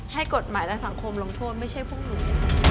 ให้กฎหมายและสังคมลงโทษไม่ใช่พวกหนู